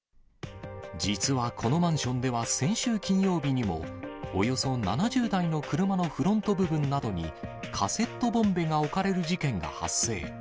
実はこのマンションでは先週金曜日にも、およそ７０台の車のフロント部分などにカセットボンベが置かれる事件が発生。